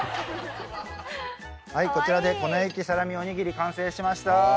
こちらで粉雪サラミおにぎり完成しました。